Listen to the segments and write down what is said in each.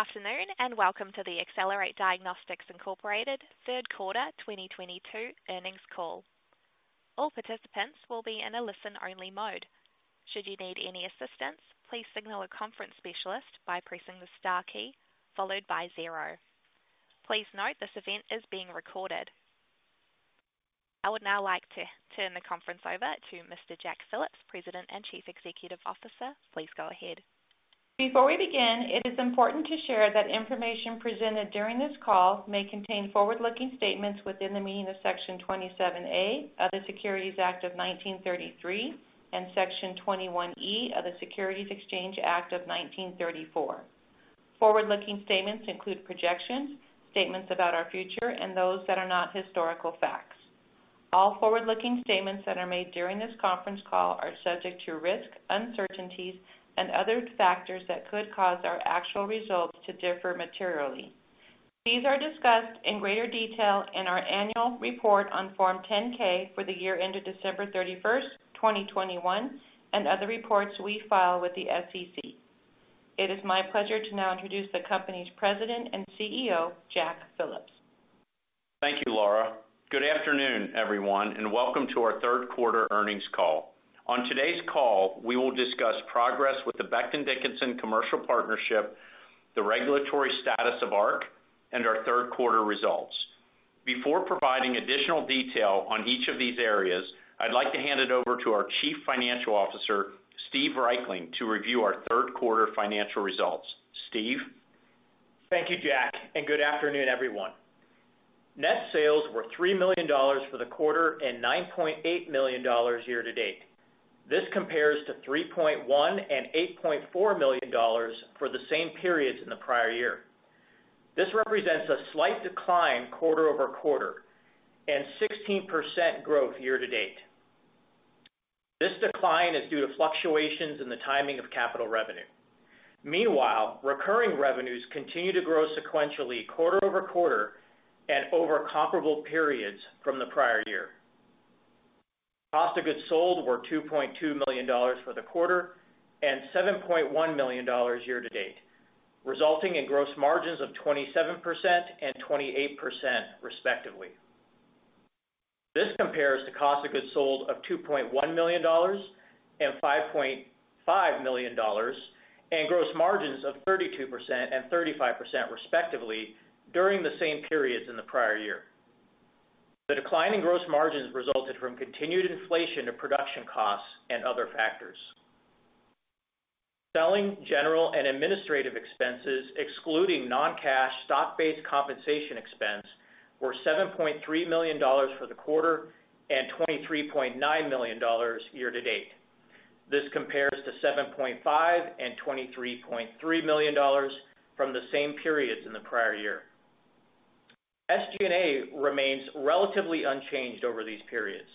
Good afternoon, and welcome to the Accelerate Diagnostics, Inc. third quarter 2022 earnings call. All participants will be in a listen-only mode. Should you need any assistance, please signal a conference specialist by pressing the star key followed by zero. Please note this event is being recorded. I would now like to turn the conference over to Mr. Jack Phillips, President and Chief Executive Officer. Please go ahead. Before we begin, it is important to share that information presented during this call may contain forward-looking statements within the meaning of Section 27A of the Securities Act of 1933 and Section 21E of the Securities Exchange Act of 1934. Forward-looking statements include projections, statements about our future, and those that are not historical facts. All forward-looking statements that are made during this conference call are subject to risk, uncertainties, and other factors that could cause our actual results to differ materially. These are discussed in greater detail in our annual report on Form 10-K for the year ended December 31, 2021 and other reports we file with the SEC. It is my pleasure to now introduce the company's President and CEO, Jack Phillips. Thank you, Laura. Good afternoon, everyone, and welcome to our third quarter earnings call. On today's call, we will discuss progress with the Becton, Dickinson commercial partnership, the regulatory status of ARC, and our third quarter results. Before providing additional detail on each of these areas, I'd like to hand it over to our Chief Financial Officer, Steve Reichling, to review our third quarter financial results. Steve? Thank you, Jack, and good afternoon, everyone. Net sales were $3 million for the quarter and $9.8 million year-to-date. This compares to $3.1 million and $8.4 million for the same periods in the prior year. This represents a slight decline quarter-over-quarter and 16% growth year-to-date. This decline is due to fluctuations in the timing of capital revenue. Meanwhile, recurring revenues continue to grow sequentially quarter-over-quarter and over comparable periods from the prior year. Cost of goods sold were $2.2 million for the quarter and $7.1 million year-to-date, resulting in gross margins of 27% and 28%, respectively. This compares to cost of goods sold of $2.1 million and $5.5 million, and gross margins of 32% and 35%, respectively, during the same periods in the prior year. The decline in gross margins resulted from continued inflation of production costs and other factors. Selling, general, and administrative expenses, excluding non-cash stock-based compensation expense, were $7.3 million for the quarter and $23.9 million year-to-date. This compares to $7.5 million and $23.3 million from the same periods in the prior year. SG&A remains relatively unchanged over these periods.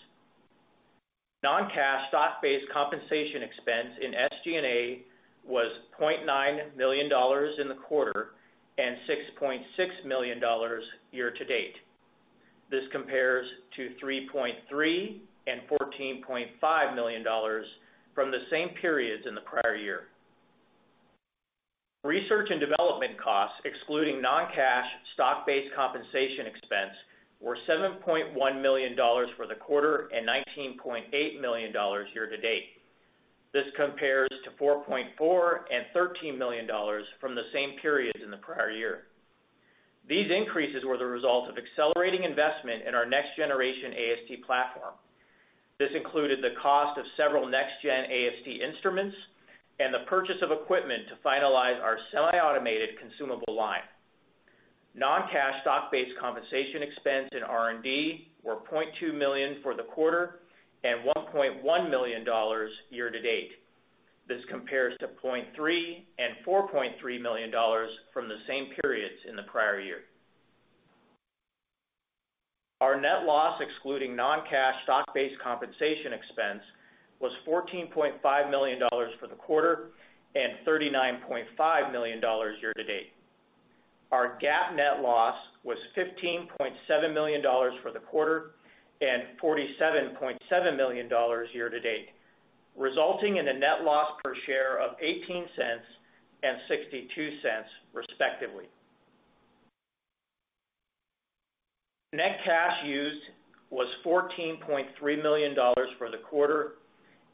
Non-cash stock-based compensation expense in SG&A was $0.9 million in the quarter and $6.6 million year-to-date. This compares to $3.3 million and $14.5 million from the same periods in the prior year. Research and development costs, excluding non-cash stock-based compensation expense, were $7.1 million for the quarter and $19.8 million year-to-date. This compares to $4.4 million and $13 million from the same periods in the prior year. These increases were the result of accelerating investment in our next generation AST platform. This included the cost of several next gen AST instruments and the purchase of equipment to finalize our semi-automated consumable line. Non-cash stock-based compensation expense in R&D were $0.2 million for the quarter and $1.1 million year-to-date. This compares to $0.3 million and $4.3 million from the same periods in the prior year. Our net loss, excluding non-cash stock-based compensation expense, was $14.5 million for the quarter and $39.5 million year-to-date. Our GAAP net loss was $15.7 million for the quarter and $47.7 million year-to-date, resulting in a net loss per share of $0.18 and $0.62, respectively. Net cash used was $14.3 million for the quarter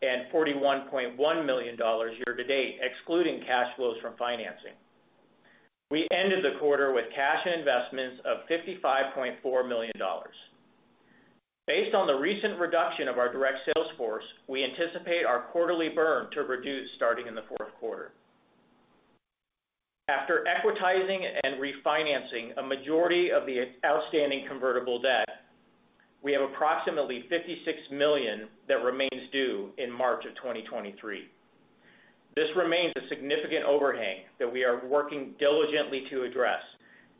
and $41.1 million year-to-date, excluding cash flows from financing. We ended the quarter with cash and investments of $55.4 million. Based on the recent reduction of our direct sales force, we anticipate our quarterly burn to reduce starting in the fourth quarter. After equitizing and refinancing a majority of the outstanding convertible debt, we have approximately $56 million that remains due in March 2023. This remains a significant overhang that we are working diligently to address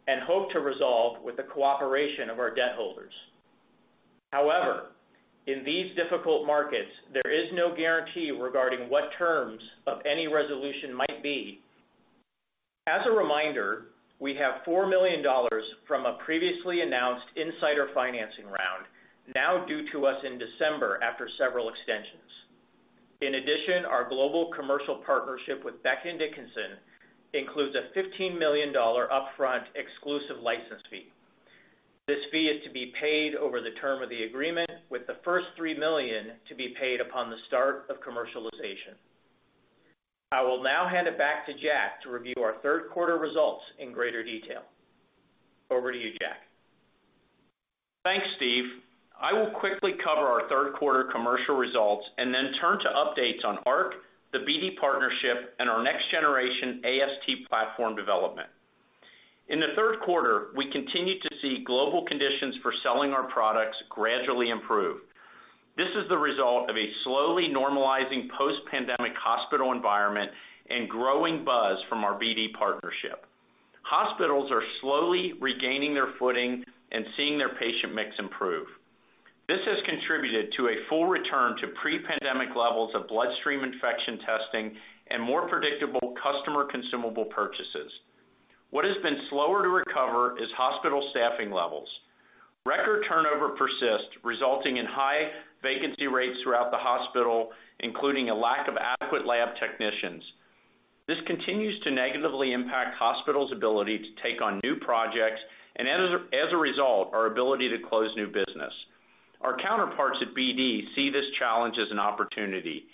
and hope to resolve with the cooperation of our debt holders. However, in these difficult markets, there is no guarantee regarding what terms of any resolution might be. As a reminder, we have $4 million from a previously announced insider financing round now due to us in December after several extensions. In addition, our global commercial partnership with Becton, Dickinson and Company includes a $15 million upfront exclusive license fee. This fee is to be paid over the term of the agreement, with the first $3 million to be paid upon the start of commercialization. I will now hand it back to Jack to review our third quarter results in greater detail. Over to you, Jack. Thanks, Steve. I will quickly cover our third quarter commercial results and then turn to updates on ARC, the BD partnership, and our next-generation AST platform development. In the third quarter, we continued to see global conditions for selling our products gradually improve. This is the result of a slowly normalizing post-pandemic hospital environment and growing buzz from our BD partnership. Hospitals are slowly regaining their footing and seeing their patient mix improve. This has contributed to a full return to pre-pandemic levels of bloodstream infection testing and more predictable customer consumable purchases. What has been slower to recover is hospital staffing levels. Record turnover persists, resulting in high vacancy rates throughout the hospital, including a lack of adequate lab technicians. This continues to negatively impact hospitals' ability to take on new projects and, as a result, our ability to close new business. Our counterparts at BD see this challenge as an opportunity.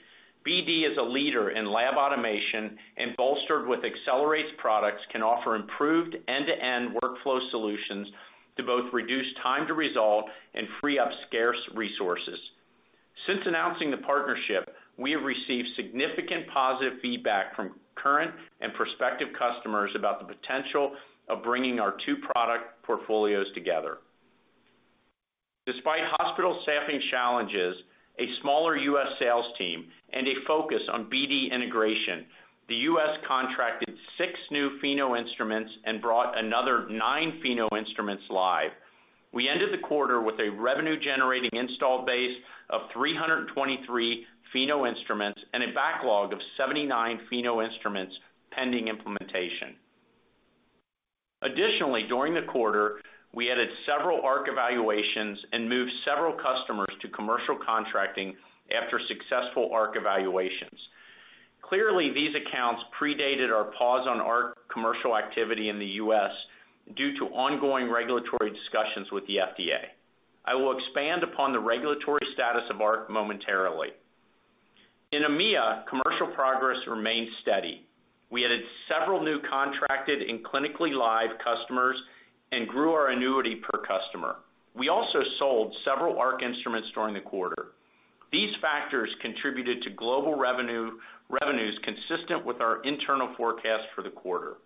BD is a leader in lab automation and, bolstered with Accelerate's products, can offer improved end-to-end workflow solutions to both reduce time to resolve and free up scarce resources. Since announcing the partnership, we have received significant positive feedback from current and prospective customers about the potential of bringing our two product portfolios together. Despite hospital staffing challenges, a smaller U.S. sales team, and a focus on BD integration, the U.S. contracted six new Pheno instruments and brought another nine Pheno instruments live. We ended the quarter with a revenue-generating install base of 323 Pheno instruments and a backlog of 79 Pheno instruments pending implementation. Additionally, during the quarter, we added several ARC evaluations and moved several customers to commercial contracting after successful ARC evaluations. Clearly, these accounts predated our pause on ARC commercial activity in the U.S. due to ongoing regulatory discussions with the FDA. I will expand upon the regulatory status of ARC momentarily. In EMEA, commercial progress remained steady. We added several new contracted and clinically live customers and grew our annuity per customer. We also sold several ARC instruments during the quarter. These factors contributed to global revenues consistent with our internal forecast for the quarter.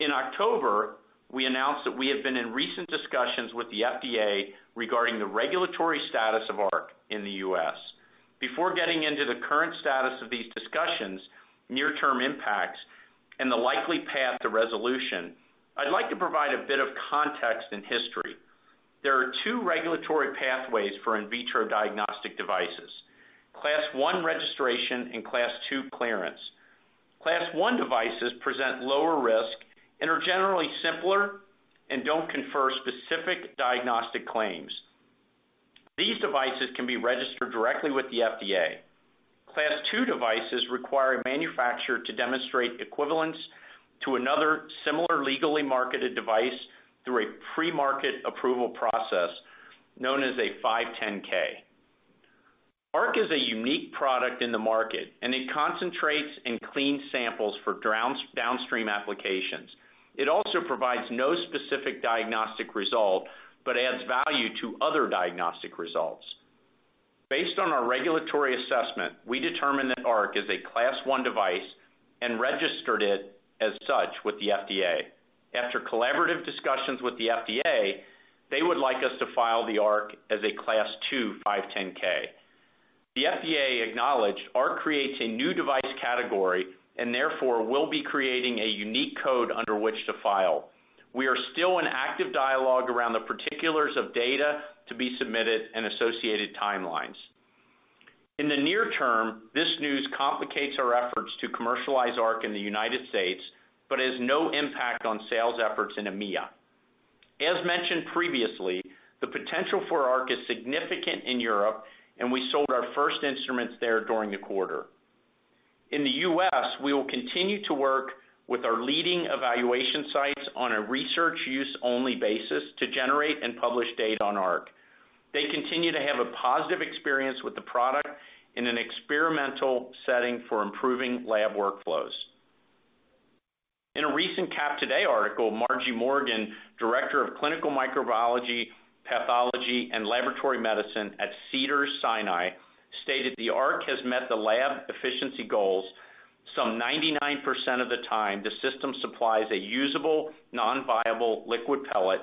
In October, we announced that we have been in recent discussions with the FDA regarding the regulatory status of ARC in the U.S. Before getting into the current status of these discussions, near-term impacts, and the likely path to resolution, I'd like to provide a bit of context and history. There are two regulatory pathways for in vitro diagnostic devices, Class I registration and Class II clearance. Class I devices present lower risk and are generally simpler and don't confer specific diagnostic claims. These devices can be registered directly with the FDA. Class II devices require a manufacturer to demonstrate equivalence to another similar legally marketed device through a pre-market approval process known as a 510(k). ARC is a unique product in the market, and it concentrates and cleans samples for downstream applications. It also provides no specific diagnostic result but adds value to other diagnostic results. Based on our regulatory assessment, we determined that ARC is a Class I device and registered it as such with the FDA. After collaborative discussions with the FDA, they would like us to file the ARC as a Class II 510(k). The FDA acknowledged ARC creates a new device category and therefore will be creating a unique code under which to file. We are still in active dialogue around the particulars of data to be submitted and associated timelines. In the near term, this news complicates our efforts to commercialize ARC in the United States but has no impact on sales efforts in EMEA. As mentioned previously, the potential for ARC is significant in Europe, and we sold our first instruments there during the quarter. In the U.S., we will continue to work with our leading evaluation sites on a research use-only basis to generate and publish data on ARC. They continue to have a positive experience with the product in an experimental setting for improving lab workflows. In a recent CAP TODAY article, Margie Morgan, Director of Clinical Microbiology, Pathology, and Laboratory Medicine at Cedars-Sinai, stated, The ARC has met the lab efficiency goals some 99% of the time. The system supplies a usable, non-viable liquid pellet,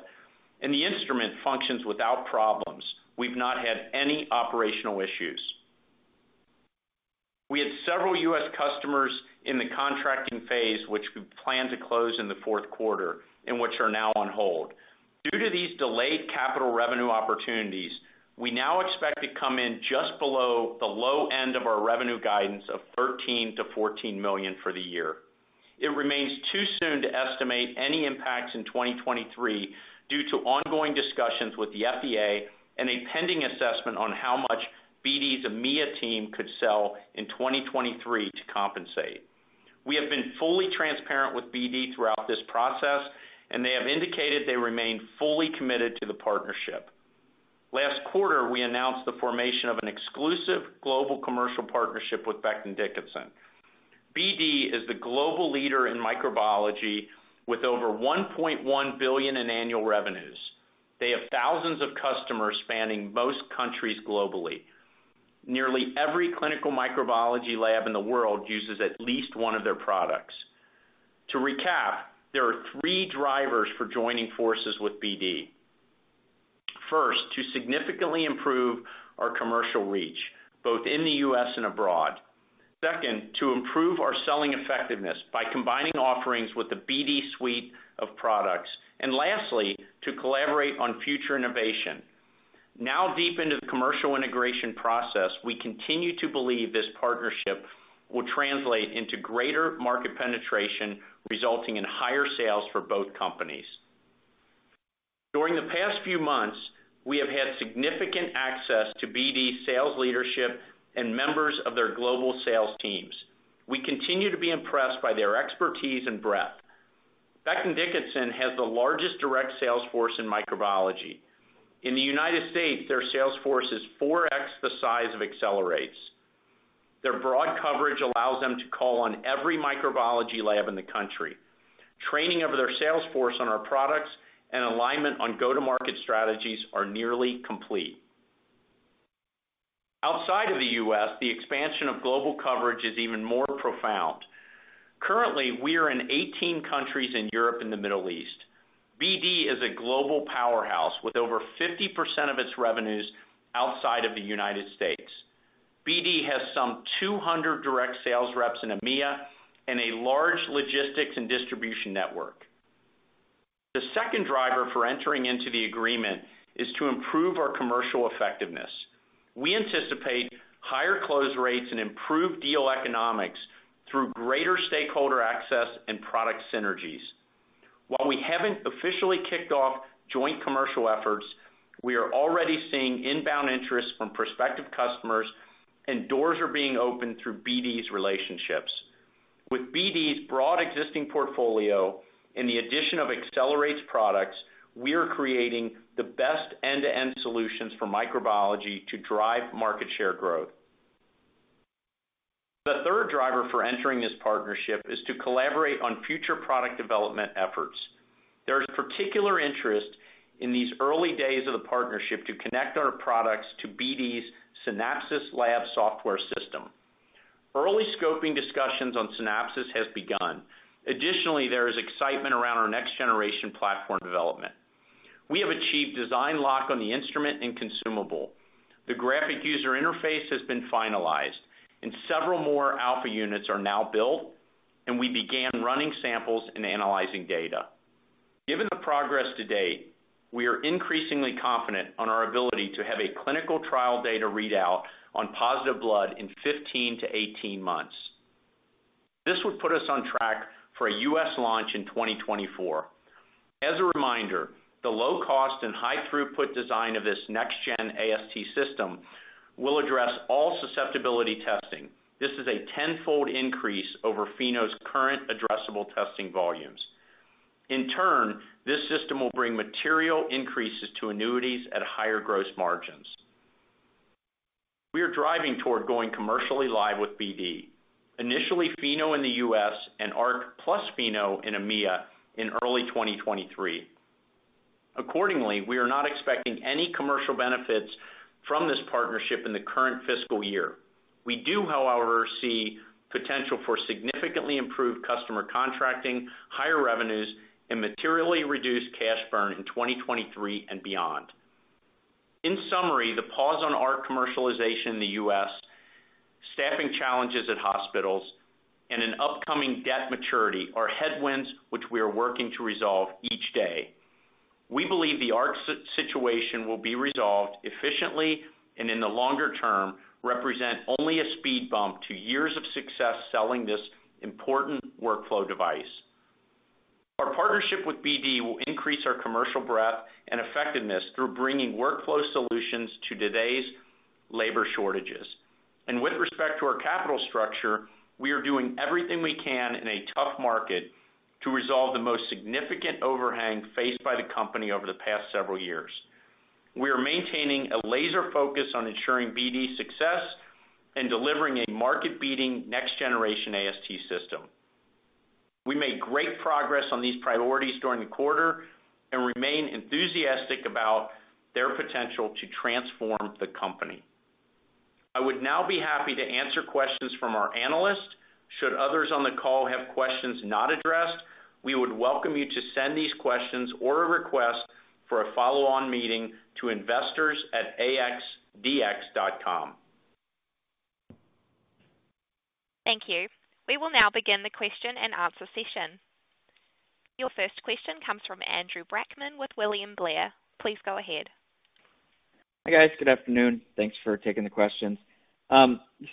and the instrument functions without problems. We've not had any operational issues. We had several U.S. customers in the contracting phase, which we planned to close in the fourth quarter and which are now on hold. Due to these delayed capital revenue opportunities, we now expect to come in just below the low end of our revenue guidance of $13 million-$14 million for the year. It remains too soon to estimate any impacts in 2023 due to ongoing discussions with the FDA and a pending assessment on how much BD's EMEA team could sell in 2023 to compensate. We have been fully transparent with BD throughout this process, and they have indicated they remain fully committed to the partnership. Last quarter, we announced the formation of an exclusive global commercial partnership with Becton, Dickinson. BD is the global leader in microbiology with over $1.1 billion in annual revenues. They have thousands of customers spanning most countries globally. Nearly every clinical microbiology lab in the world uses at least one of their products. To recap, there are three drivers for joining forces with BD. First, to significantly improve our commercial reach, both in the U.S. and abroad. Second, to improve our selling effectiveness by combining offerings with the BD suite of products. Lastly, to collaborate on future innovation. Now deep into the commercial integration process, we continue to believe this partnership will translate into greater market penetration, resulting in higher sales for both companies. During the past few months, we have had significant access to BD sales leadership and members of their global sales teams. We continue to be impressed by their expertise and breadth. Becton, Dickinson has the largest direct sales force in microbiology. In the United States, their sales force is 4x the size of Accelerate's. Their broad coverage allows them to call on every microbiology lab in the country. Training of their sales force on our products and alignment on go-to-market strategies are nearly complete. Outside of the U.S., the expansion of global coverage is even more profound. Currently, we are in 18 countries in Europe and the Middle East. BD is a global powerhouse with over 50% of its revenues outside of the United States. BD has some 200 direct sales reps in EMEA and a large logistics and distribution network. The second driver for entering into the agreement is to improve our commercial effectiveness. We anticipate higher close rates and improved deal economics through greater stakeholder access and product synergies. While we haven't officially kicked off joint commercial efforts, we are already seeing inbound interest from prospective customers and doors are being opened through BD's relationships. With BD's broad existing portfolio and the addition of Accelerate's products, we are creating the best end-to-end solutions for microbiology to drive market share growth. The third driver for entering this partnership is to collaborate on future product development efforts. There is particular interest in these early days of the partnership to connect our products to BD's Synapsys Lab software system. Early scoping discussions on Synapsys have begun. Additionally, there is excitement around our next-generation platform development. We have achieved design lock on the instrument and consumable. The graphic user interface has been finalized and several more alpha units are now built, and we began running samples and analyzing data. Given the progress to date, we are increasingly confident on our ability to have a clinical trial data readout on positive blood in 15-18 months. This would put us on track for a US launch in 2024. As a reminder, the low cost and high throughput design of this next-gen AST system will address all susceptibility testing. This is a 10-fold increase over Pheno's current addressable testing volumes. In turn, this system will bring material increases to annuities at higher gross margins. We are driving toward going commercially live with BD. Initially, Pheno in the US and ARC plus Pheno in EMEA in early 2023. Accordingly, we are not expecting any commercial benefits from this partnership in the current fiscal year. We do, however, see potential for significantly improved customer contracting, higher revenues, and materially reduced cash burn in 2023 and beyond. In summary, the pause on ARC commercialization in the U.S., staffing challenges at hospitals, and an upcoming debt maturity are headwinds which we are working to resolve each day. We believe the ARC situation will be resolved efficiently and in the longer term, represent only a speed bump to years of success selling this important workflow device. Our partnership with BD will increase our commercial breadth and effectiveness through bringing workflow solutions to today's labor shortages. With respect to our capital structure, we are doing everything we can in a tough market to resolve the most significant overhang faced by the company over the past several years. We are maintaining a laser focus on ensuring BD's success and delivering a market-beating next-generation AST system. We made great progress on these priorities during the quarter and remain enthusiastic about their potential to transform the company. I would now be happy to answer questions from our analysts. Should others on the call have questions not addressed, we would welcome you to send these questions or a request for a follow-on meeting to investors at axdx.com. Thank you. We will now begin the question and answer session. Your first question comes from Andrew Brackmann with William Blair. Please go ahead. Hi, guys. Good afternoon. Thanks for taking the questions.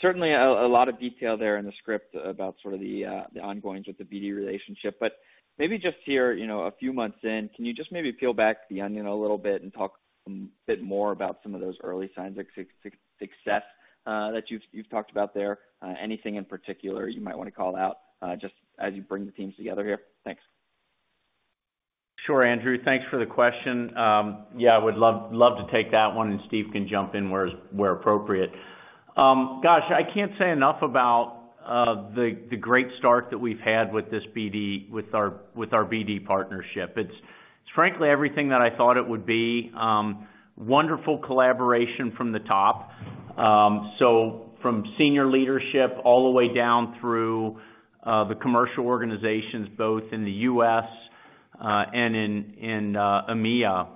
Certainly a lot of detail there in the script about sort of the ongoings with the BD relationship. Maybe just here, you know, a few months in, can you just maybe peel back the onion a little bit and talk a bit more about some of those early signs of success that you've talked about there? Anything in particular you might wanna call out just as you bring the teams together here? Thanks. Sure, Andrew. Thanks for the question. Yeah, I would love to take that one, and Steve can jump in where appropriate. Gosh, I can't say enough about the great start that we've had with this BD, with our BD partnership. It's frankly everything that I thought it would be. Wonderful collaboration from the top. From senior leadership all the way down through the commercial organizations, both in the U.S. and in EMEA,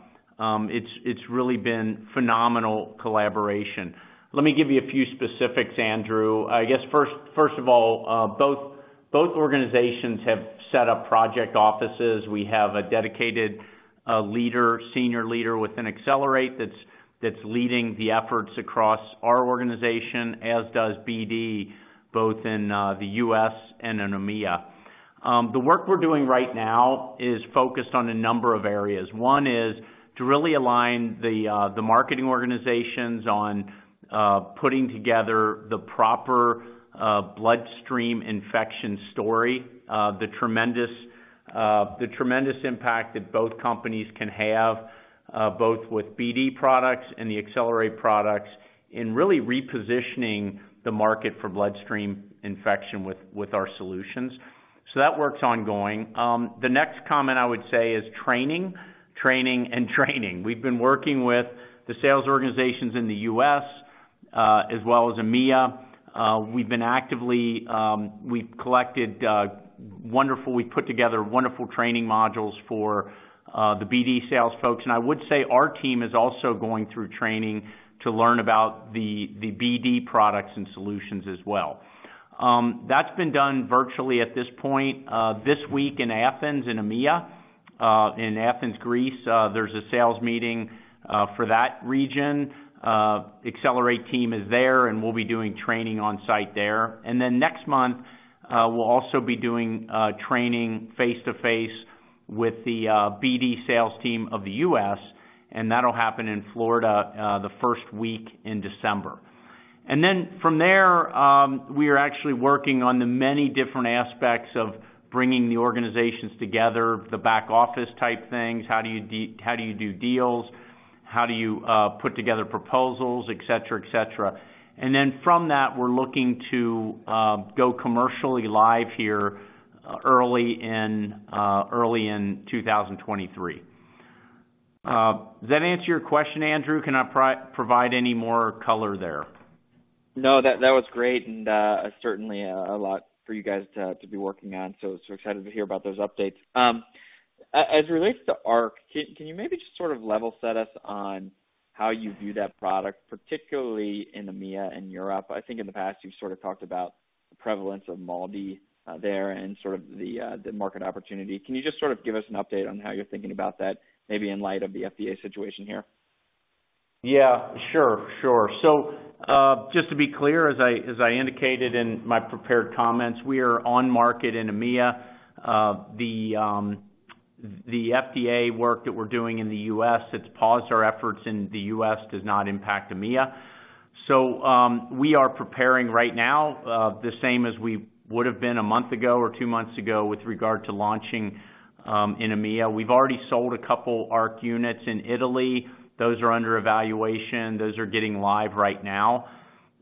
it's really been phenomenal collaboration. Let me give you a few specifics, Andrew. I guess first of all, both organizations have set up project offices. We have a dedicated senior leader within Accelerate that's leading the efforts across our organization, as does BD, both in the U.S. and in EMEA. The work we're doing right now is focused on a number of areas. One is to really align the marketing organizations on putting together the proper bloodstream infection story, the tremendous impact that both companies can have, both with BD products and the Accelerate products, in really repositioning the market for bloodstream infection with our solutions. That work's ongoing. The next comment I would say is training. We've been working with the sales organizations in the U.S. as well as EMEA. We've put together wonderful training modules for the BD sales folks. I would say our team is also going through training to learn about the BD products and solutions as well. That's been done virtually at this point. This week in Athens and EMEA, in Athens, Greece, there's a sales meeting for that region. Accelerate team is there, and we'll be doing training on site there. Next month, we'll also be doing training face-to-face with the BD sales team of the US, and that'll happen in Florida, the first week in December. From there, we are actually working on the many different aspects of bringing the organizations together, the back office type things. How do you do deals? How do you put together proposals, et cetera, et cetera. From that, we're looking to go commercially live here early in 2023. Does that answer your question, Andrew? Can I provide any more color there? No, that was great and certainly a lot for you guys to be working on, so excited to hear about those updates. As it relates to ARC, can you maybe just sort of level set us on how you view that product, particularly in EMEA and Europe? I think in the past, you've sort of talked about the prevalence of MALDI there and sort of the market opportunity. Can you just sort of give us an update on how you're thinking about that, maybe in light of the FDA situation here? Yeah, sure. Just to be clear, as I indicated in my prepared comments, we are on market in EMEA. The FDA work that we're doing in the US, it's paused our efforts in the US, does not impact EMEA. We are preparing right now, the same as we would have been a month ago or two months ago with regard to launching in EMEA. We've already sold a couple ARC units in Italy. Those are under evaluation. Those are getting live right now.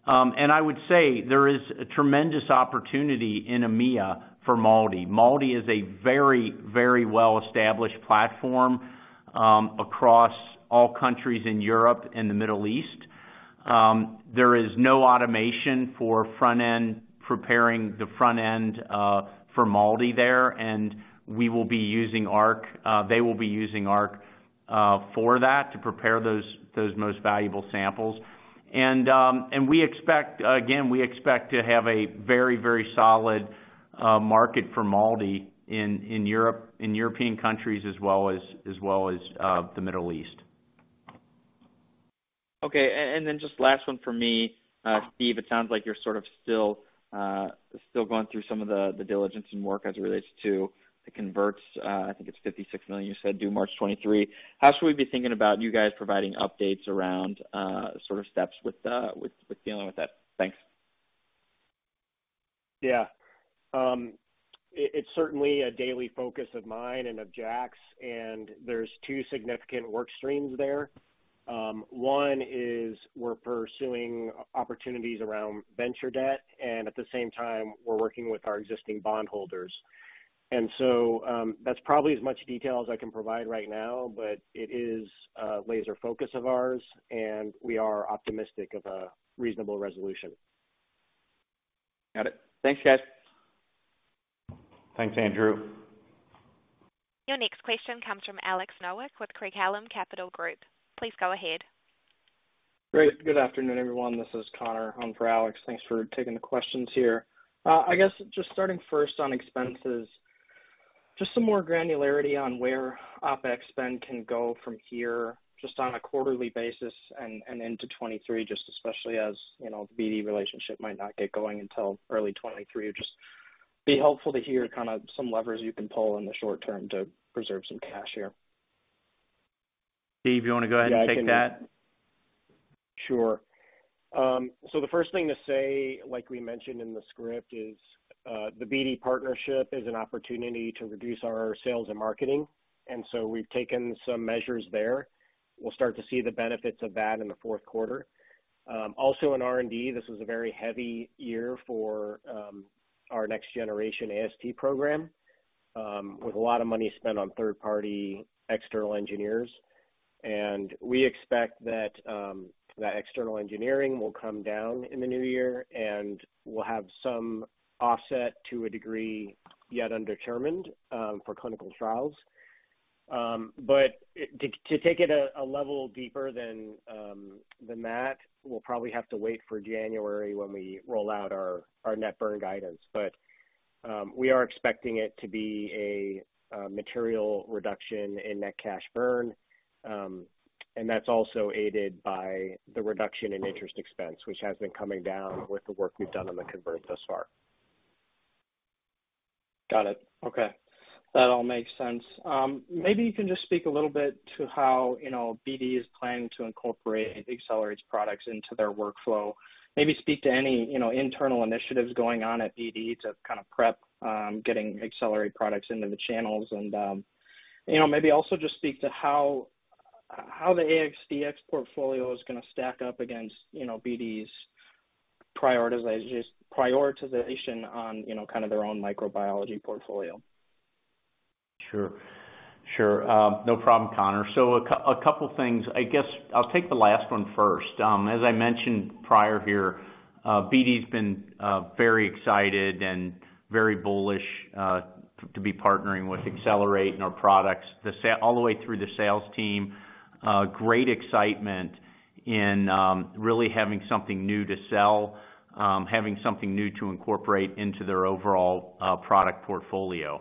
I would say there is a tremendous opportunity in EMEA for MALDI. MALDI is a very, very well-established platform across all countries in Europe and the Middle East. There is no automation for front-end, preparing the front end, for MALDI there, and we will be using ARC. They will be using ARC for that to prepare those most valuable samples. We expect again to have a very solid market for MALDI in Europe, in European countries, as well as the Middle East. Okay. Just last one for me. Steve, it sounds like you're sort of still going through some of the diligence and work as it relates to the converts. I think it's $56 million you said, due March 2023. How should we be thinking about you guys providing updates around sort of steps with dealing with that? Thanks. Yeah. It's certainly a daily focus of mine and of Jack's, and there's two significant work streams there. One is we're pursuing opportunities around venture debt, and at the same time, we're working with our existing bondholders. That's probably as much detail as I can provide right now, but it is a laser focus of ours, and we are optimistic of a reasonable resolution. Got it. Thanks, guys. Thanks, Andrew. Your next question comes from Alex Nowak with Craig-Hallum Capital Group. Please go ahead. Great. Good afternoon, everyone. This is Connor on for Alex Nowak. Thanks for taking the questions here. I guess just starting first on expenses. Just some more granularity on where OpEx spend can go from here, just on a quarterly basis and into 2023, just especially as, you know, the BD relationship might not get going until early 2023. It'd just be helpful to hear kinda some levers you can pull in the short term to preserve some cash here. Steve, you wanna go ahead and take that? Sure. The first thing to say, like we mentioned in the script, is the BD partnership is an opportunity to reduce our sales and marketing, and so we've taken some measures there. We'll start to see the benefits of that in the fourth quarter. Also in R&D, this was a very heavy year for our next generation AST program, with a lot of money spent on third-party external engineers. We expect that external engineering will come down in the new year, and we'll have some offset to a degree yet undetermined for clinical trials. To take it a level deeper than that, we'll probably have to wait for January when we roll out our net burn guidance. We are expecting it to be a material reduction in net cash burn, and that's also aided by the reduction in interest expense, which has been coming down with the work we've done on the convert thus far. Got it. Okay. That all makes sense. Maybe you can just speak a little bit to how, you know, BD is planning to incorporate Accelerate's products into their workflow. Maybe speak to any, you know, internal initiatives going on at BD to kind of prep getting Accelerate products into the channels. You know, maybe also just speak to how the AxDX portfolio is gonna stack up against, you know, BD's prioritization on, you know, kind of their own microbiology portfolio. Sure. Sure, no problem, Connor. A couple things. I guess I'll take the last one first. As I mentioned prior here, BD's been very excited and very bullish to be partnering with Accelerate and our products. The same all the way through the sales team, great excitement in really having something new to sell, having something new to incorporate into their overall product portfolio.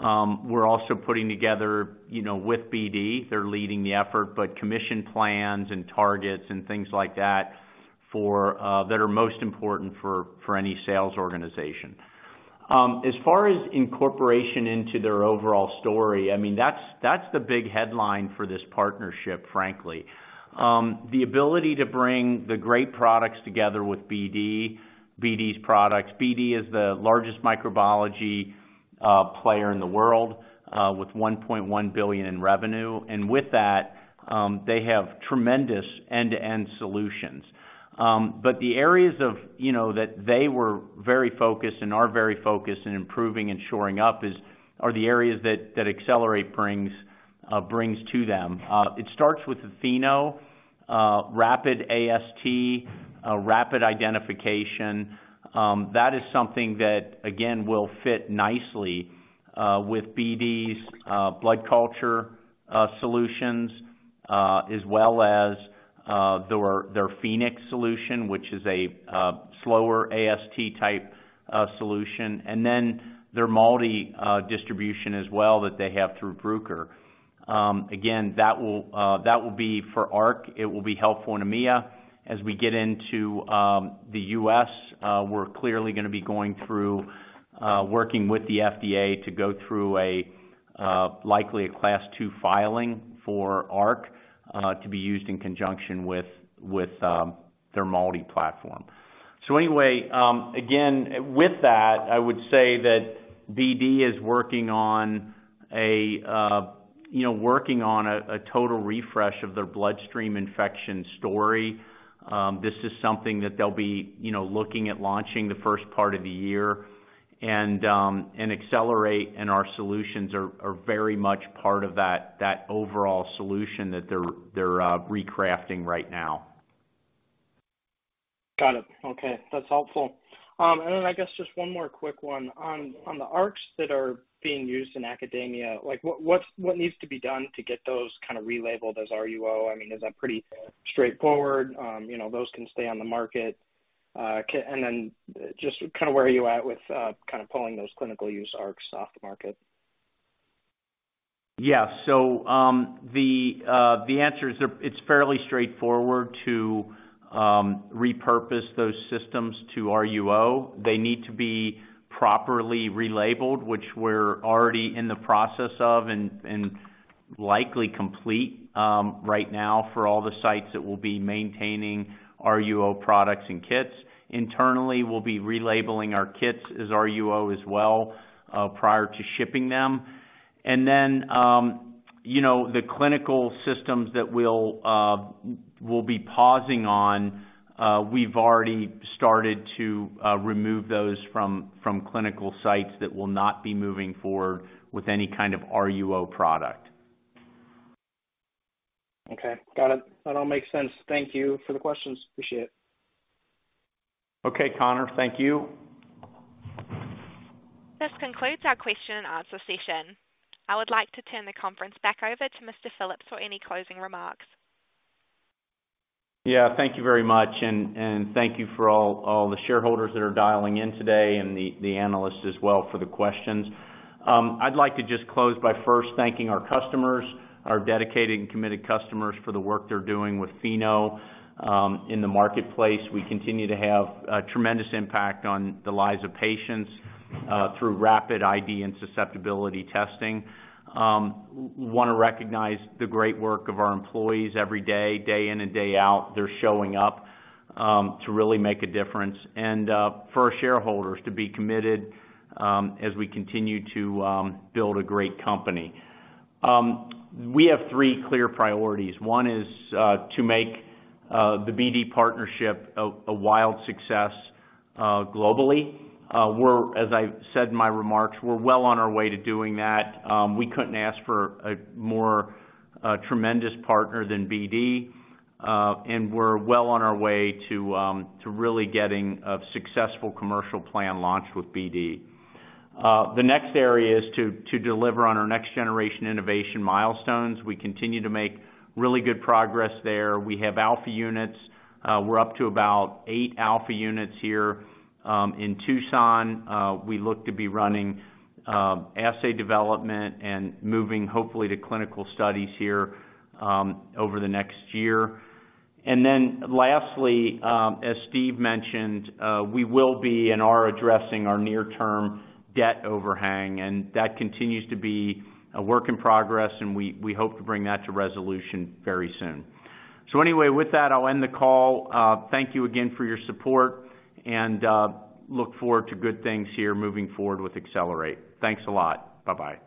We're also putting together, you know, with BD, they're leading the effort, but commission plans and targets and things like that for that are most important for any sales organization. As far as incorporation into their overall story, I mean, that's the big headline for this partnership, frankly. The ability to bring the great products together with BD's products. BD is the largest microbiology player in the world with $1.1 billion in revenue. With that, they have tremendous end-to-end solutions. The areas of, you know, that they were very focused and are very focused in improving and shoring up are the areas that Accelerate brings to them. It starts with the Pheno rapid AST rapid identification. That is something that, again, will fit nicely with BD's blood culture solutions as well as their Phoenix solution, which is a slower AST type solution. Their MALDI distribution as well that they have through Bruker. Again, that will be for ARC. It will be helpful in EMEA. As we get into the US, we're clearly going to be working with the FDA to go through a likely Class II filing for ARC to be used in conjunction with their MALDI platform. Anyway, again, with that, I would say that BD is working on, you know, a total refresh of their bloodstream infection story. This is something that they'll be, you know, looking at launching the first part of the year. Accelerate and our solutions are very much part of that overall solution that they're recrafting right now. Got it. Okay. That's helpful. I guess just one more quick one. On the ARCs that are being used in academia, like what needs to be done to get those kinda relabeled as RUO? I mean, is that pretty straightforward, you know, those can stay on the market? Just kinda where are you at with kinda pulling those clinical use ARCs off the market? Yeah. The answer is it's fairly straightforward to repurpose those systems to RUO. They need to be properly relabeled, which we're already in the process of and likely complete right now for all the sites that will be maintaining RUO products and kits. Internally, we'll be relabeling our kits as RUO as well, prior to shipping them. You know, the clinical systems that we'll be pausing on, we've already started to remove those from clinical sites that will not be moving forward with any kind of RUO product. Okay. Got it. That all makes sense. Thank you for the questions. Appreciate it. Okay, Connor. Thank you. This concludes our question and answer session. I would like to turn the conference back over to Mr. Phillips for any closing remarks. Yeah, thank you very much, and thank you for all the shareholders that are dialing in today and the analysts as well for the questions. I'd like to just close by first thanking our customers, our dedicated and committed customers for the work they're doing with Pheno in the marketplace. We continue to have a tremendous impact on the lives of patients through rapid ID and susceptibility testing. Wanna recognize the great work of our employees every day in and day out. They're showing up to really make a difference. For our shareholders to be committed as we continue to build a great company. We have three clear priorities. One is to make the BD partnership a wild success globally. As I said in my remarks, we're well on our way to doing that. We couldn't ask for a more tremendous partner than BD. We're well on our way to really getting a successful commercial plan launched with BD. The next area is to deliver on our next-generation innovation milestones. We continue to make really good progress there. We have alpha units. We're up to about eight alpha units here in Tucson. We look to be running assay development and moving hopefully to clinical studies here over the next year. Lastly, as Steve mentioned, we will be and are addressing our near-term debt overhang, and that continues to be a work in progress, and we hope to bring that to resolution very soon. Anyway, with that, I'll end the call. Thank you again for your support and look forward to good things here moving forward with Accelerate. Thanks a lot. Bye-bye.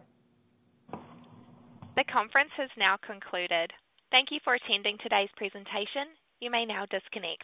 The conference has now concluded. Thank you for attending today's presentation. You may now disconnect.